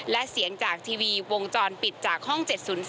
และเสียงจากทีวีวงจรปิดจากห้อง๗๐๔